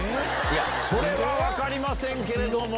それは分かりませんけれども。